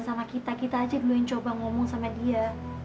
sama kita kita aja dulu yang coba ngomong sama dia